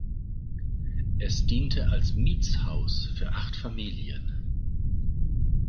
Es diente als Mietshaus für acht Familien.